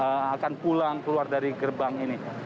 yang akan pulang keluar dari gerbang ini